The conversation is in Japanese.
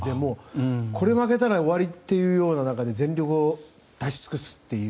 ここで負けたら終わりという中で全力を出し尽くすという。